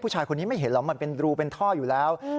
ผู้ชายคนนี้ไม่เห็นหรอกมันเป็นรูเป็นท่ออยู่แล้ว